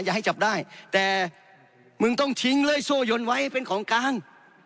ให้จับได้แต่มึงต้องทิ้งเล่โซ่ยนไว้เป็นของกลาง